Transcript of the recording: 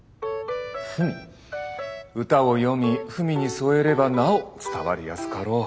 歌を詠み文に添えればなお伝わりやすかろう。